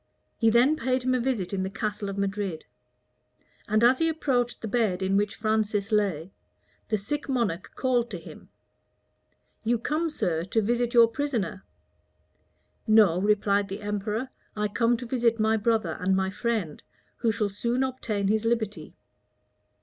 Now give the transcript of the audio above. He then paid him a visit in the castle of Madrid; and as he approached the bed in which Francis lay, the sick monarch called to him, "You come, sir, to visit your prisoner." "No," replied the emperor, "I come to visit my brother and my friend, who shall soon obtain his liberty."